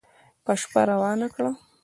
په شپه روانه کړه